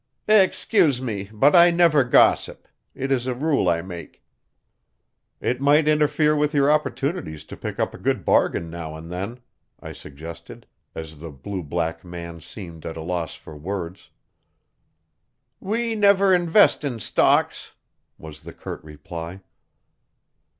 "Excuse me, but I never gossip. It is a rule I make." "It might interfere with your opportunities to pick up a good bargain now and then," I suggested, as the blue black man seemed at a loss for words. "We never invest in stocks," was the curt reply.